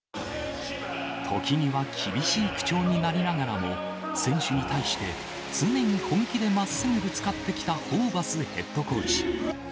時には厳しい口調になりながらも、選手に対して、常に本気でまっすぐぶつかってきたホーバスヘッドコーチ。